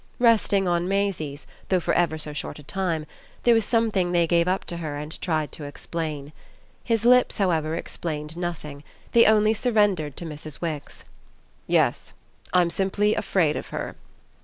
Resting on Maisie's, though for ever so short a time, there was something they gave up to her and tried to explain. His lips, however, explained nothing; they only surrendered to Mrs. Wix. "Yes. I'm simply afraid of her!"